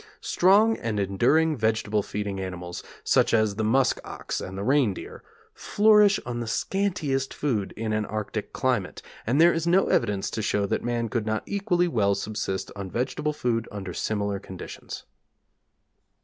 Strong and enduring vegetable feeding animals, such as the musk ox and the reindeer, flourish on the scantiest food in an arctic climate, and there is no evidence to show that man could not equally well subsist on vegetable food under similar conditions.